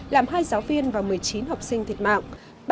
làm hai giáo viên và một mươi chín học sinh thiệt mạng